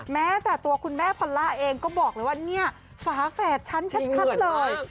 แม้แต่ตัวคุณแม่พอลล่าเองก็บอกเลยว่าเนี่ยฝาแฝดฉันชัดเลย